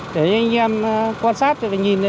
để anh em quan sát nhìn